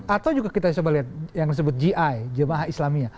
atau juga kita coba lihat yang disebut gi jemaah islamia